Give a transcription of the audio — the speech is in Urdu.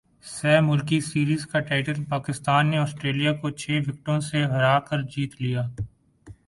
سہ ملکی سیریز کا ٹائٹل پاکستان نے اسٹریلیا کو چھ وکٹوں سے ہرا کرجیت لیا